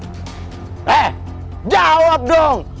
eh jawab dong